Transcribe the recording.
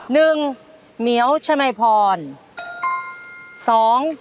๑เหมียวชมัยพรณ์